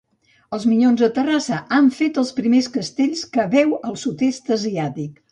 Els Minyons de Terrassa han fet els primers castells que veu el sud-est asiàtic.